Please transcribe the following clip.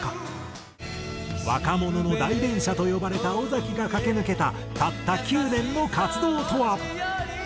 若者の代弁者と呼ばれた尾崎が駆け抜けたたった９年の活動とは？